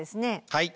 はい。